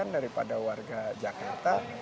daripada warga jakarta